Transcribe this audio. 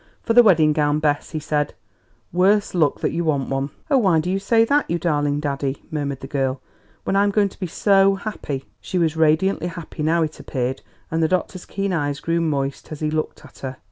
"For the wedding gown, Bess," he said; "worse luck that you want one!" "Oh, why do you say that, you darling daddy?" murmured the girl, "when I'm going to be so happy!" She was radiantly happy now, it appeared, and the doctor's keen eyes grew moist as he looked at her.